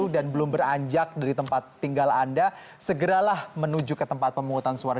dan belum beranjak dari tempat tinggal anda segeralah menuju ke tempat pemungutan suara